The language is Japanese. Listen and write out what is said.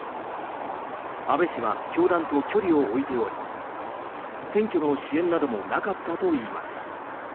安倍氏は教団と距離を置いており選挙の支援などもなかったといいます。